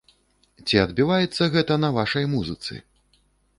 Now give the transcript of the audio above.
Ці адбіваецца гэта на вашай музыцы?